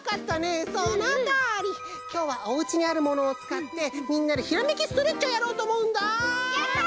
きょうはおうちにあるものをつかってみんなでひらめきストレッチをやろうとおもうんだ！